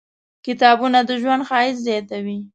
کتابونه د ژوند ښایست زیاتوي.